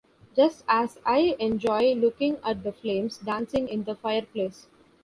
Just as I enjoy looking at the flames dancing in the fireplace.